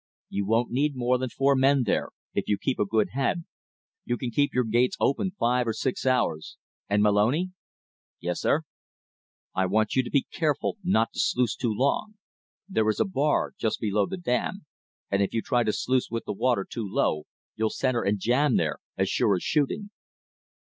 You won't need more than four men there, if you keep a good head. You can keep your gates open five or six hours. And Moloney." "Yes, sir." "I want you to be careful not to sluice too long. There is a bar just below the dam, and if you try to sluice with the water too low, you'll center and jam there, as sure as shooting."